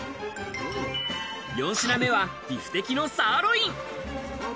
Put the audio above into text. ４品目はビフテキのサーロイン。